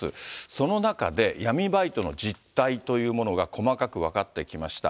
その中で、闇バイトの実態というものが細かく分かってきました。